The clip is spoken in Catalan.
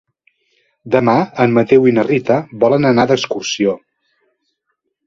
Demà en Mateu i na Rita volen anar d'excursió.